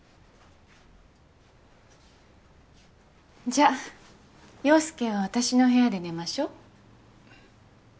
じゃあ陽佑は私の部屋で寝ましょ。